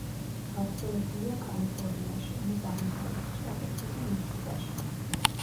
გავრცელებულია კალიფორნიაში, მის აღმოსავლეთ შტატებსა და მექსიკაში.